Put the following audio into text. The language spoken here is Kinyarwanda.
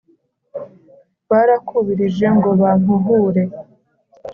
barakubirije ngo bampuhure.